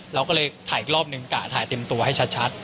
เราก็เลยถ่ายอีกรอบนึงกะถ่ายเต็มตัวให้ชัด